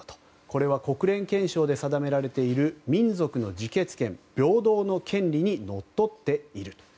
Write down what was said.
これは国連憲章で定められている民族の自決権、平等の権利にのっとっていると。